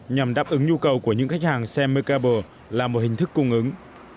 nhằm đáp ứng nhu cầu của những khách hàng xem mecabur là một hình thức cung ứng